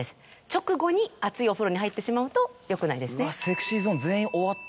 直後に熱いお風呂に入ってしまうとよくないですね。